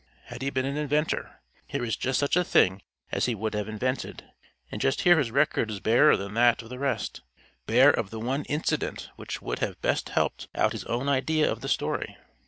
Had he been an inventor here is just such a thing as he would have invented; and just here his record is barer than that of the rest bare of the one incident which would have best helped out his own idea of the story.